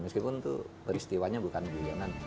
meskipun itu peristiwanya bukan guyonan